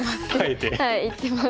はい行ってます。